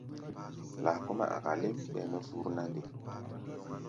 Laa kɔ́-mɛ́ a̧ka̧ léŋ, ɓɛɛ mɛ fur na nde?